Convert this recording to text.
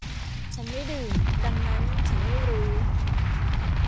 ฉันไม่ดื่มดังนั้นฉันไม่รู้